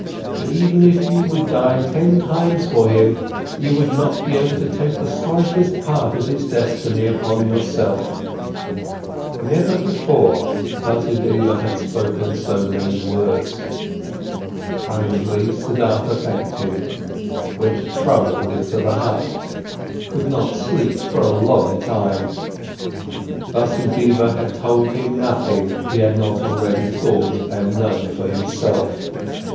But even if you would die ten times for him, you would not be able to take the slightest part of his destiny upon yourself." Never before, Vasudeva had spoken so many words. Kindly, Siddhartha thanked him, went troubled into the hut, could not sleep for a long time. Vasudeva had told him nothing he had not already thought and known for himself.